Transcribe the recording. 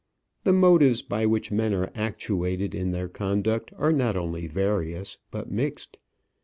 The motives by which men are actuated in their conduct are not only various, but mixed.